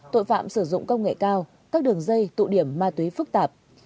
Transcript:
tội phạm sử dụng công nghệ cao các đường dây tụ điểm ma túy phức tạp